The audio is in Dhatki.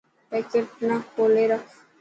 پيڪٽ نا ڪولي رکي.